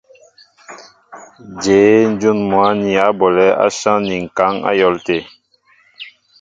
Jě ǹjún mwǎ ni á bolɛ̌ áshán ni ŋ̀kaŋ á yɔ̌l tê ?